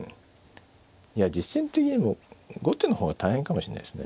いや実戦的にも後手の方が大変かもしれないですね。